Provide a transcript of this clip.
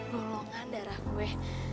golongan darah gue